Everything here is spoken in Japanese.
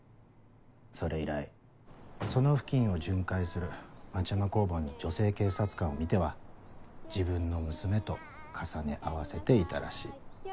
それ以来その付近を巡回する町山交番の女性警察官を見ては自分の娘と重ね合わせていたらしい。